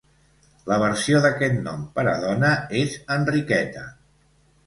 La versió d'aquest nom per a dona és Enriqueta.